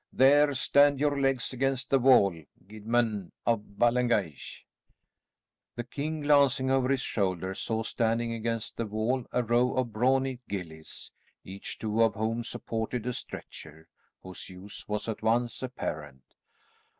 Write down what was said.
There stand your legs against the wall, Guidman of Ballengeich." The king, glancing over his shoulder, saw standing against the wall a row of brawny gillies, each two of whom supported a stretcher, whose use was at once apparent.